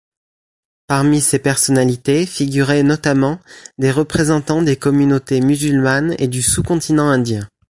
Parmi ces personnalités figuraient notamment des représentants des communautés musulmanes et du sous-continent indien.